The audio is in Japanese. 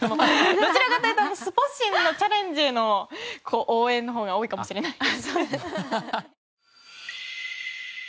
どちらかというと「スポ神」のチャレンジへの応援の方が多いかもしれないです。